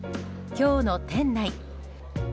今日の店内。